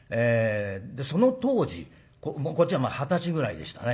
でその当時こっちは二十歳ぐらいでしたね。